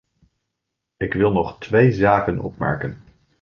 Ik wil nog twee zaken opmerken.